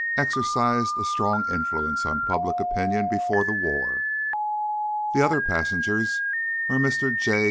exercised a strong influence on public opinion before the war. The other passengers were Mr. J.